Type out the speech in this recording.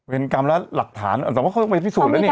เป็นกรรมและหลักฐานแต่ว่าเขาต้องไปพิสูจนแล้วเนี่ย